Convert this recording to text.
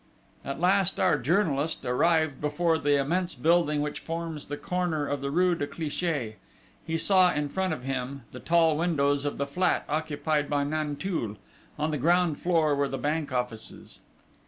At last, our journalist arrived before the immense building which forms the corner of the rue de Clichy. He saw, in front of him, the tall windows of the flat occupied by Nanteuil: on the ground floor were the bank offices.